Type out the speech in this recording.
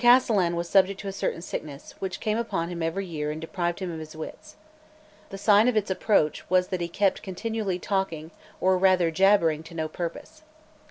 CVII THE CASTELLAN was subject to a certain sickness, which came upon him every year and deprived him of his wits. The sign of its, approach was that he kept continually talking, or rather jabbering, to no purpose.